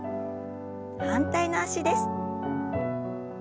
反対の脚です。